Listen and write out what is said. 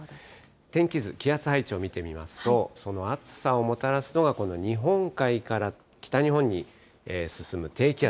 天気図、気圧配置を見てみますと、その暑さをもたらすのが、この日本海から北日本に進む低気圧。